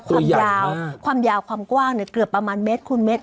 ความยาวความยาวความกว้างเนี่ยเกือบประมาณเมตรคูณเมตร